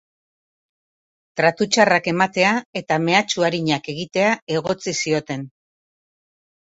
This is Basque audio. Tratu txarrak ematea eta mehatxu arinak egitea egotzi zioten.